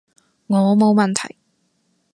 我冇問題